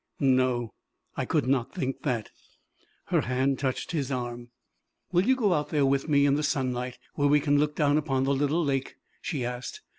"No, could not think that." Her hand touched his arm. "Will you go out there with me, in the sunlight, where we can look down upon the little lake?" she asked.